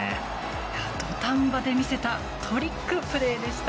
土壇場で見せたトリックプレーでした。